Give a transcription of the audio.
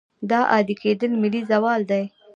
دا عادي کېدل ملي زوال دی.